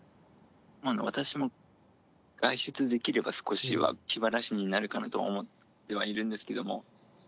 私も外出できれば少しは気晴らしになるかなと思ってはいるんですけども